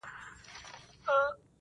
د اغېز څخه بې برخي کېږي